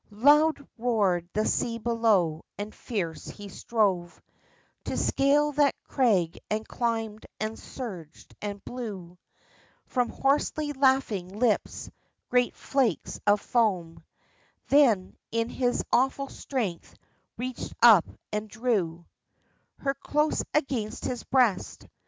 Loud roared the sea below and fierce he strove To scale that crag and climbed and surged and blew From hoarsely laughing lips great flakes of foam, Then in his awful strength reached up and drew Her close against his breast.